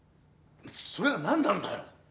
それが何なんだよ。